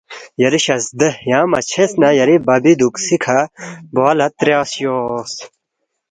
یری شزدے یدانگ مہ چھیس نہ یری بَبی دُوکسَکھی کھہ بوا لہ تریا شوخ